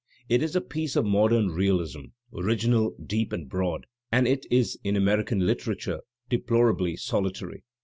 It is a piece of modem realism, original, deep and broad, and it is in American literature deplorably solitary.